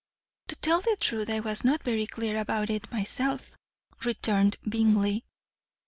"To tell the truth, I was not very clear about it myself," returned Bingley.